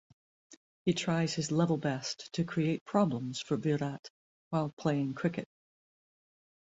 He tries his level best to create problems for Virat while playing cricket.